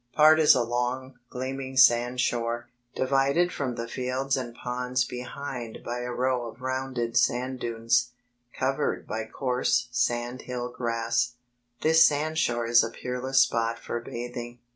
Part is a long, gleaming sand shore, divided from the fields and ponds behind by a row of rounded sand dunes, covered by coarse sand hill grass. This sandshore is a peerless spot for bathing.